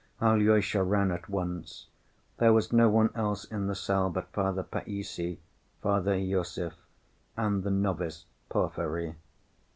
Alyosha ran at once. There was no one else in the cell but Father Païssy, Father Iosif, and the novice Porfiry.